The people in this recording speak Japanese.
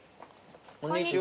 こんにちは。